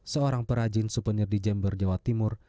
seorang perajin suvenir di jember jawa timur